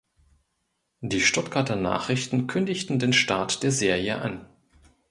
Die Stuttgarter Nachrichten kündigten den Start der Serie an.